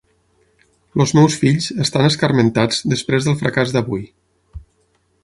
Els meus fills estan escarmentats després del fracàs d'avui.